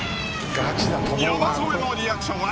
山添のリアクションは